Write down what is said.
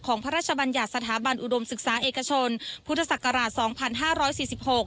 ของพระราชบัญญัติสถาบันอุดมศึกษาเอกชนพุทธศักราช๒๕๔๖